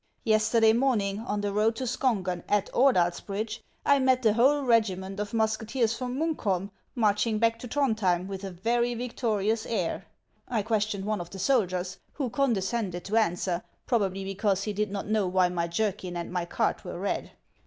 Yesterday morning, on the road to Skongen, at Ordals bridge, I met the whole regi ment of musketeers from Munkholm marching back to Tlirondhjem with a very victorious air. I questioned one of the soldiers, who condescended to answer, probably be cause he did not know why my jerkin and my cart were red.